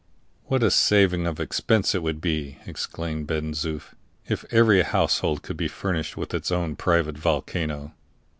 "What a saving of expense it would be," exclaimed Ben Zoof, "if every household could be furnished with its own private volcano!"